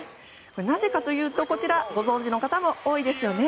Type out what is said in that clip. なぜかというと、こちらご存じの方も多いですよね。